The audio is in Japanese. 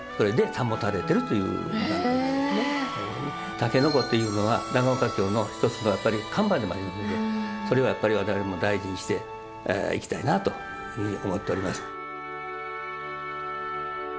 タケノコというのは長岡京の一つのやっぱり看板でもありますのでそれはやっぱり我々も大事にしていきたいなというふうに思っております。